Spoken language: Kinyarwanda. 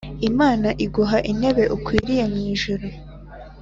imana iguha intebe ukwiriye mu ijuru